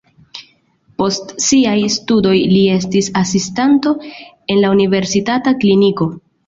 Post siaj studoj li estis asistanto en la universitata kliniko.